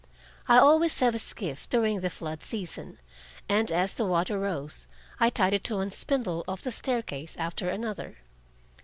I always have a skiff during the flood season, and as the water rose, I tied it to one spindle of the staircase after another.